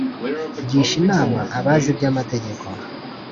gisha inama abazi iby’amategeko,